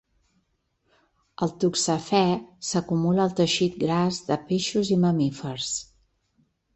El toxafè s'acumula al teixit gras de peixos i mamífers.